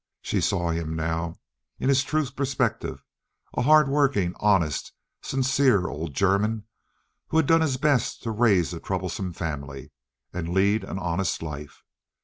She saw him now in his true perspective, a hard working, honest, sincere old German, who had done his best to raise a troublesome family and lead an honest life.